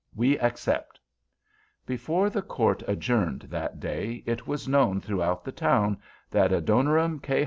We accept." Before the court adjourned that day it was known throughout the town that Adoniram K.